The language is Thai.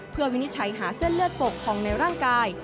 เพื่อวินิจฉัยหาเส้นเลือดปกพองในร่างกาย